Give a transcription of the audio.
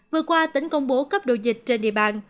vừa qua tỉnh công bố cấp độ dịch trên địa bàn